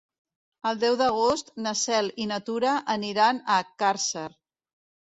El deu d'agost na Cel i na Tura aniran a Càrcer.